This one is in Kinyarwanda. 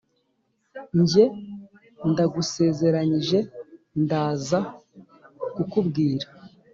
njye: ndagusezeranyije ndaza kukubwira